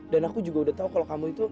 dan aku juga udah tau kalo kamu itu